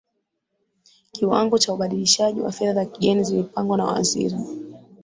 kiwango cha ubadilishaji wa fedha za kigeni kilipangwa na waziri